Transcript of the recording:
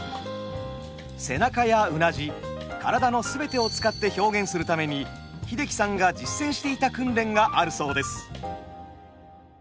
背中やうなじ体の全てを使って表現するために英樹さんが実践していた訓練があるそうです。